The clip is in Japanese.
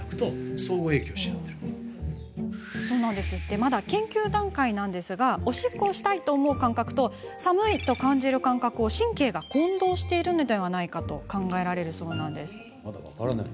まだ研究段階ですがおしっこをしたいと思う感覚と寒いと感じる感覚を神経が混同しているのではないかと考えられているそうなんです。